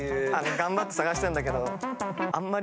頑張って探したんだけど。